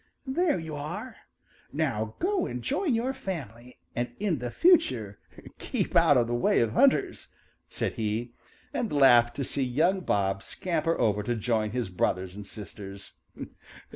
"There you are! Now go and join your family and in the future keep out of the way of hunters," said he, and laughed to see young Bob scamper over to join his brothers and sisters.